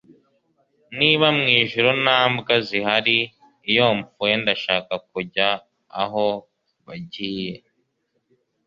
niba mu ijuru nta mbwa zihari, iyo mpfuye ndashaka kujya aho bagiye